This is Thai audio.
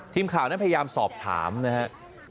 ทีมข่าวนั้นพยายามสอบถามนะครับ